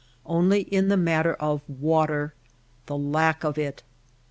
Only in the matter of water — the lack of it.